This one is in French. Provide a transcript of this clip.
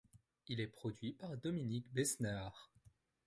Il est produit par Dominique Besnehard.